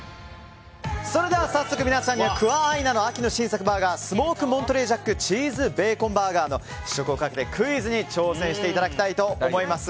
それでは早速、皆さんにはクア・アイナの秋の新作バーガースモークモントレージャックチーズベーコンバーガーの試食をかけたクイズに挑戦していただきたいと思います。